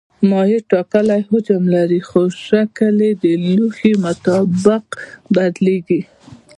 مایع ټاکلی حجم لري خو شکل یې د لوښي مطابق بدلېږي.